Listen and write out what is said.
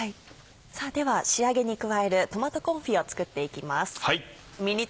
では仕上げに加えるトマトコンフィを作っていきます。